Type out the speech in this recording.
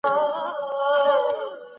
دا باغ ښکلی دی